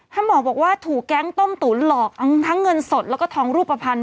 ท่านบอกว่าถูกแก๊งต้มตุ๋นหลอกทั้งเงินสดแล้วก็ทองรูปพันธ